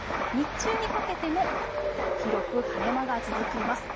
日中にかけても広く晴れ間が続きます。